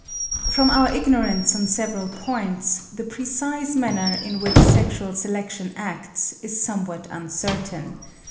From our ignorance on several points, the precise manner in which sexual selection acts is somewhat uncertain.